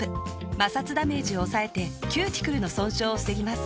摩擦ダメージを抑えてキューティクルの損傷を防ぎます。